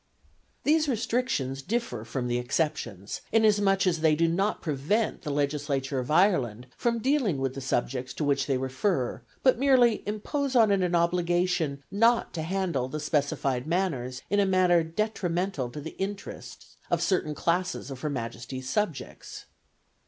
These restrictions differ from the exceptions, inasmuch as they do not prevent the Legislature of Ireland from dealing with the subjects to which they refer, but merely impose on it an obligation not to handle the specified matters in a manner detrimental to the interests of certain classes of Her Majesty's subjects.